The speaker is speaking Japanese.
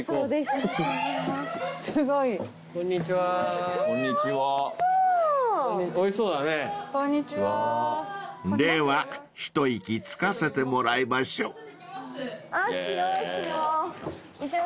［では一息つかせてもらいましょう］